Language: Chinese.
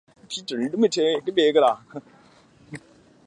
外在动机可以分成下列四项